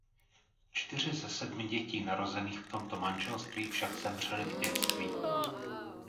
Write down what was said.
Čtyři ze sedmi dětí narozených v tomto manželství však zemřely v dětství.